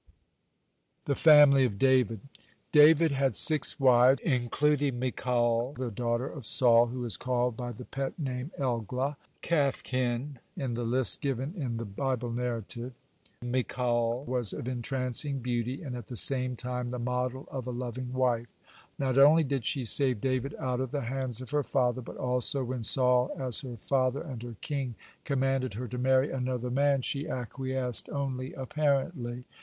(130) THE FAMILY OF DAVID David had six wives, including Michal, the daughter of Saul, who is called by the pet name Eglah, "Calfkin," in the list given in the Bible narrative. (131) Michal was of entrancing beauty, (132) and at the same time the model of a loving wife. Not only did she save David out of the hands of her father, but also, when Saul, as her father and her king, commanded her to marry another man, she acquiesced only apparently.